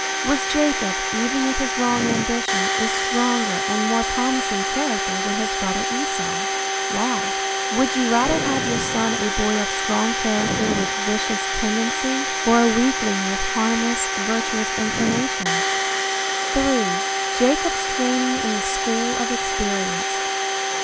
Was Jacob, even with his wrong ambition, a stronger and more promising character than his brother Esau? Why? Would you rather have your son a boy of strong character with vicious tendency or a weakling with harmless, virtuous inclinations? III. JACOB'S TRAINING IN THE SCHOOL OF EXPERIENCE.